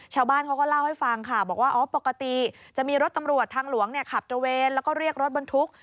ชาวบ้านเขาก็เล่าให้ฟังค่ะบอกว่าอ๋อปกติจะมีรถตำรวจทางหลวงขับตระเวนแล้วก็เรียกรถบรรทุก